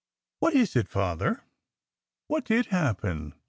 "What is it, Father? What did happen?"